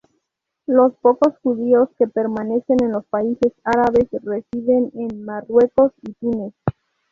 Los pocos judíos que permanecen en los países árabes residen en Marruecos y Túnez.